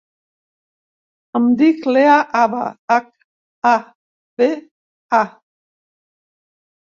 Em dic Lea Haba: hac, a, be, a.